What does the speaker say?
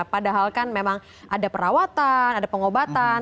padahal kan memang ada perawatan ada pengobatan